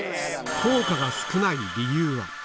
効果が少ない理由は。